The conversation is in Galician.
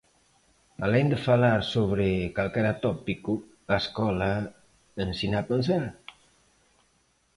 Alén de falar sobre calquera tópico, a escola ensina a pensar?